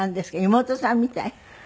妹さんみたい？